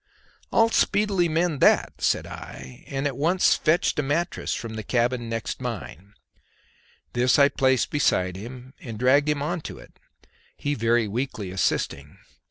"I'll speedily mend that," said I, and at once fetched a mattress from the cabin next mine; this I placed beside him, and dragged him on to it, he very weakly assisting.